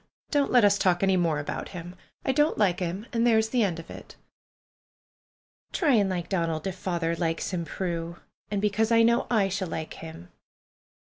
Don't let us talk any more about him. I don't like him, and there is the end of it." "Try and like Donald, if father likes him, Prue. And because I know I shall like him."